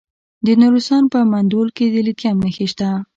د نورستان په مندول کې د لیتیم نښې شته.